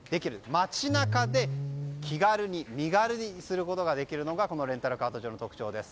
街中で気軽に身軽にすることができるのがこのレンタルカート場の特徴です。